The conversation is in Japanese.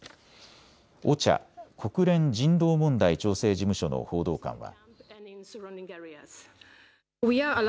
ＯＣＨＡ・国連人道問題調整事務所の報道官は。